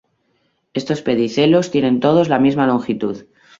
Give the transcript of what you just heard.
Estos pedicelos tienen todos la misma longitud.